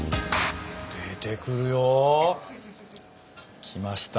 出てくるよ。来ました。